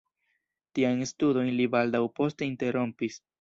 Tiajn studojn li baldaŭ poste interrompis.